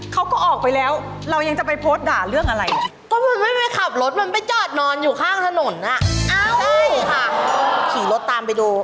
เขาก็ออกไปแล้วเรายังจะไปโพสต์ด่าเรื่องอะไร